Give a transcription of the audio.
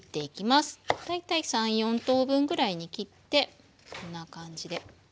大体３４等分ぐらいに切ってこんな感じで。